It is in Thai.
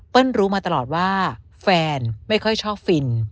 รู้มาตลอดว่าแฟนไม่ค่อยชอบฟิน